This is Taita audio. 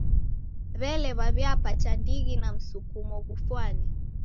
W'elee, waw'iapata ndighi na msukumo ghufwane?